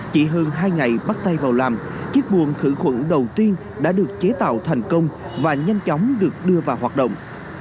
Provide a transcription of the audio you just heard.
chỉ hơn hai ngày bắt tay vào làm chiếc buồn khử khuẩn đầu tiên đã được chế tạo thành công và nhanh chóng được đưa vào hoạt động